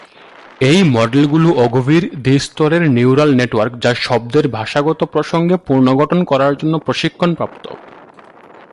এই মডেলগুলি অগভীর, দ্বি-স্তরের neural network যা শব্দের ভাষাগত প্রসঙ্গে পুনর্গঠন করার জন্য প্রশিক্ষণপ্রাপ্ত।